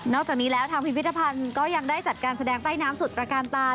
จากนี้แล้วทางพิพิธภัณฑ์ก็ยังได้จัดการแสดงใต้น้ำสุดตระการตา